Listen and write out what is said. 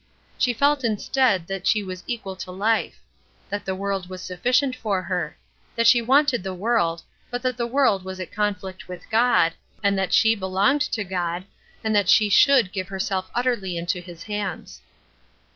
She felt instead that she was equal to life; that the world was sufficient for her; that she wanted the world; but that the world was at conflict with God, and that she belonged to God, and that she should give herself utterly into his hands.